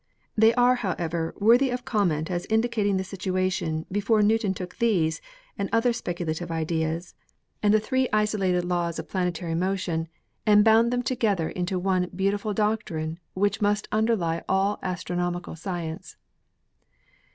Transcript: They are, however, worthy of comment as indicating the situation before Newton took these and other speciulative ideas and the three isolated laws of THE LAW OF GRAVITATION 51 planetary motion and bound them together into one beauti ful doctrine which must underlie all astronomical science.